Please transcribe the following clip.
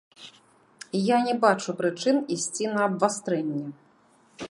Я не бачу прычын ісці на абвастрэнне.